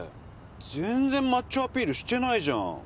全然マッチョアピールしてないじゃん。